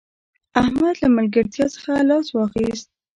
احمد له ملګرتیا څخه لاس واخيست